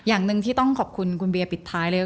อย่างหนึ่งที่ต้องขอบคุณคุณเบียร์ปิดท้ายเลย